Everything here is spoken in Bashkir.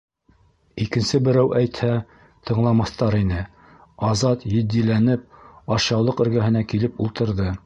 Икенсе берәү әйтһә, тыңламаҫтар ине, - Азат, етдиләнеп, ашъяулыҡ эргәһенә килеп ултырҙы.